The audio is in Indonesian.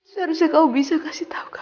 seharusnya kamu bisa kasih tau ke aku mas